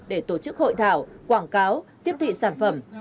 để tổ chức hội thảo quảng cáo tiếp thị sản phẩm